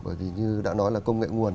bởi vì như đã nói là công nghệ nguồn